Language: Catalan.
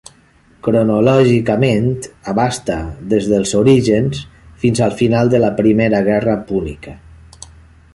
Cronològicament, abasta des dels orígens fins al final de la Primera Guerra Púnica.